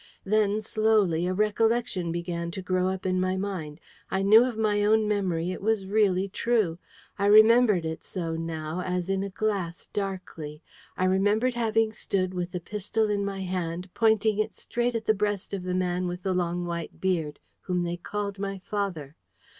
Then slowly a recollection began to grow up in my mind. I knew of my own memory it was really true. I remembered it so, now, as in a glass, darkly. I remembered having stood, with the pistol in my hand, pointing it straight at the breast of the man with the long white beard whom they called my father.